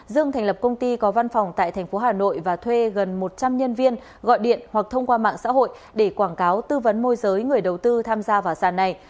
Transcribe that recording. dương thành lập công ty có văn phòng tại thành phố hà nội và thuê gần một trăm linh nhân viên gọi điện hoặc thông qua mạng xã hội để quảng cáo tư vấn môi giới người đầu tư tham gia vào sàn này